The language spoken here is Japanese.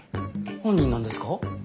犯人なんですか？